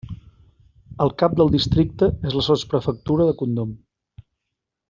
El cap del districte és la sotsprefectura de Condom.